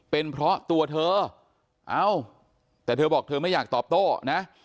เป็นเพราะตัวเธอเอ้าแต่เธอบอกเธอไม่อยากตอบโต้นะ